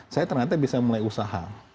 saya ternyata bisa mulai usaha